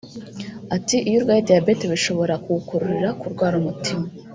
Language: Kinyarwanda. Ati”iyo urwaye diyabete bishobora kugukururira kurwara umutima